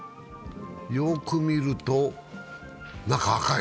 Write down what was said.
よーく見ると中、赤い。